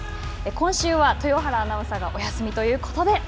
今週は豊原アナウンサーがお休みということで。